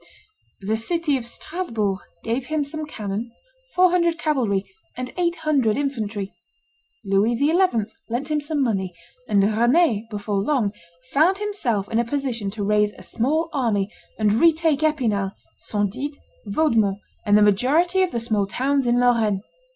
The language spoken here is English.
The city of Strasbourg gave him some cannon, four hundred cavalry, and eight hundred infantry; Louis XI. lent him some money; and Rend before long found himself in a position to raise a small army and retake Epinal, Saint Did, Vaudemont, and the majority of the small towns in Lorraine.